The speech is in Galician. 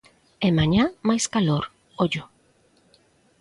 E mañá máis calor, ollo.